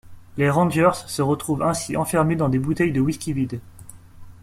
Les Rangers se retrouvent ainsi enfermés dans des bouteilles de whisky vides.